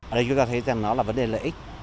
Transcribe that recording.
ở đây chúng ta thấy rằng nó là vấn đề lợi ích